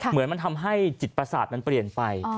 เหมือนมันทำให้จิตประสาทมันเปลี่ยนไป